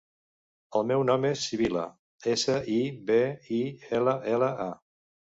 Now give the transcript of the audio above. El meu nom és Sibil·la: essa, i, be, i, ela, ela, a.